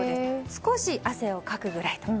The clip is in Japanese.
少し汗をかくぐらいと。